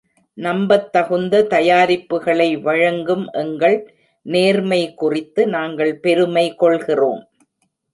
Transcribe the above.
நம்பத்தகுந்த தயாரிப்புக்களை வழங்கும் எங்கள் நேர்மை குறித்து நாங்கள் பெருமை கொள்கிறோம்.